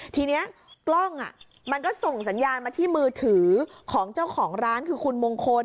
ทีนี้กล้องมันก็ส่งสัญญาณมาที่มือถือของเจ้าของร้านคือคุณมงคล